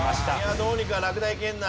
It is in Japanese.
どうにか落第圏内。